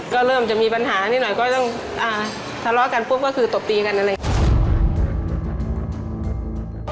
ก็เริ่มจะมีปัญหานิดหน่อยก็ต้องทะเลาะกันปุ๊บก็คือตบตีกันอะไรอย่างนี้